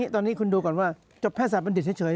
แต่ตอนนี้คุณดูก่อนว่าจบแพทย์ศาสตร์มันเด็ดเฉย